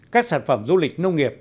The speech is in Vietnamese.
các sản phẩm du lịch nông nghiệp